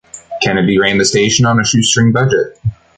Kennedy ran the station on a shoestring budget.